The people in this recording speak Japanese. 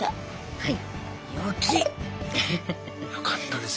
はい。